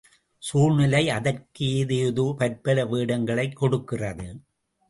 சூழ்நிலை அதற்கு ஏதேதோ பற்பல வேடங்களைக் கொடுக்கிறது.